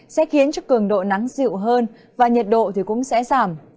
sẽ khiến cho cường độ nắng dịu hơn và nhiệt độ cũng sẽ giảm